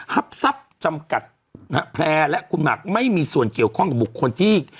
ทรัพย์ทรัพย์จำกัดนะฮะแพร่และคุณหมากไม่มีส่วนเกี่ยวข้องกับบุคคลที่